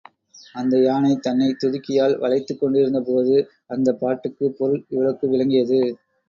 அந்த யானை தன்னைத் துதிக்கையால் வளைத்துக் கொண்டிருந்தபோது அந்தப்பாட்டுக்குப் பொருள் இவளுக்கு விளங்கியது.